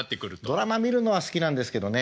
ドラマ見るのは好きなんですけどね。